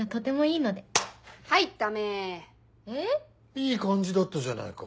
いい感じだったじゃないか。